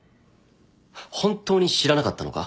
本当に知らなかったのか？